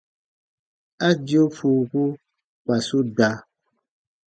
A dio fuuku kpa su da.